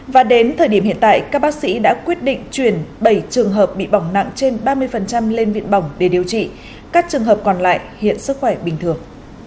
và đến thời điểm hiện tại các bác sĩ đã quyết định chuyển bảy trường hợp bị bỏng nặng trên ba mươi lên viện bỏng để điều trị các trường hợp còn lại hiện sức khỏe bình thường